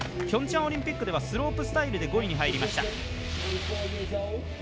ピョンチャンオリンピックではスロープスタイルで５位に入りました。